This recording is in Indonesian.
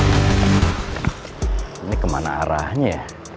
ini kemana arahnya ya